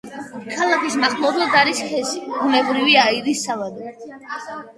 ქალაქის მახლობლად არის ჰესი, ბუნებრივი აირის საბადო.